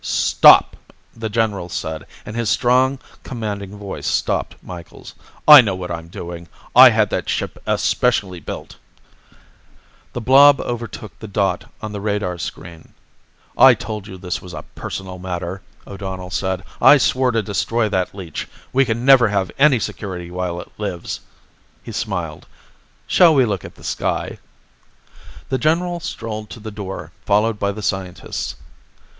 "Stop," the general said, and his strong, commanding voice stopped Micheals. "I know what I'm doing. I had that ship especially built." The blob overtook the dot on the radar screen. "I told you this was a personal matter," O'Donnell said. "I swore to destroy that leech. We can never have any security while it lives." He smiled. "Shall we look at the sky?" The general strolled to the door, followed by the scientists.